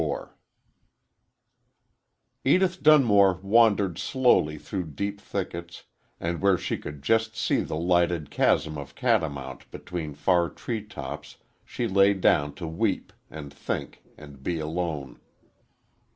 XXIV EDITH DUNMORE wandered slowly through deep thickets, and where she could just see the lighted chasm of Catamount between far tree tops she lay down to weep and think and be alone.